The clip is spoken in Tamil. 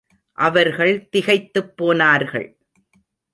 அவர்கள் திகைத்துப் போனார்கள்.